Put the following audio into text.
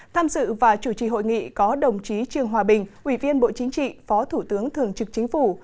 tham dự và chủ trì hội nghị có đồng chí trương hòa bình ủy viên bộ chính trị phó thủ tướng thường trực chính phủ